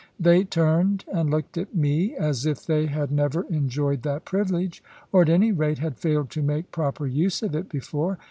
They turned and looked at me, as if they had never enjoyed that privilege, or, at any rate, had failed to make proper use of it before.